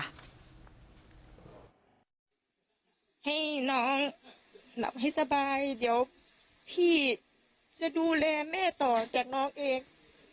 ให้น้องหลับให้สบายเดี๋ยวพี่จะดูแลแม่ต่อจากน้องเอง